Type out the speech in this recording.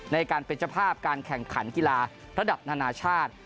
ในการเป็นเจ้าภาพการแข่งขันกีฬาระดับนานาชาติ